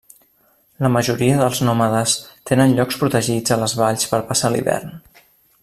La majoria dels nòmades tenen llocs protegits a les valls per passar l'hivern.